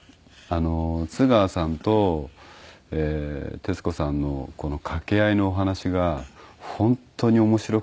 津川さんと徹子さんの掛け合いのお話が本当に面白くて。